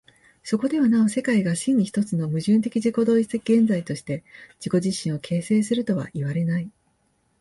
そこではなお世界が真に一つの矛盾的自己同一的現在として自己自身を形成するとはいわれない。